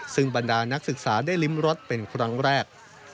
ซึ่งบรรดานักศึกษาได้ลิ้มรถเป็นครั้งแรก